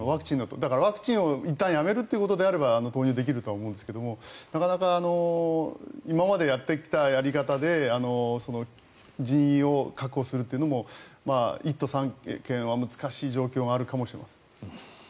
だから、ワクチンをいったんやめるということであれば投入できると思うんですけどなかなか今までやってきたやり方で人員を確保するというのも１都３県は難しい状況があるかもしれません。